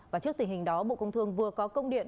và trước tình hình đó bộ công thương vừa có công điện